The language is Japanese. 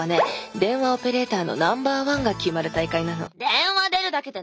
電話オペレーターのナンバーワンが決まる大会なの。